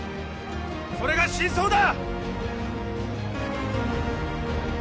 それが真相だ！